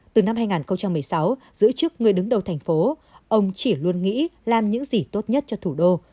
từ năm hai nghìn một mươi sáu giữ chức người đứng đầu thành phố ông chỉ luôn nghĩ làm những gì tốt nhất cho thủ đô